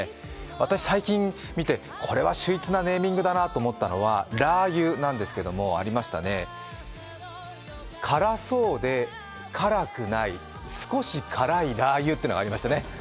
私、最近見て面白いネーミングだなと思ったのはラー油なんですけども、辛そうで辛くない、少し辛いラー油というのがありました。